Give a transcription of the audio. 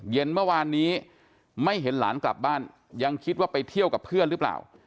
เย็นเมื่อวานนี้ไม่เห็นหลานกลับบ้านยังคิดว่าไปเที่ยวกับเพื่อนหรือเปล่า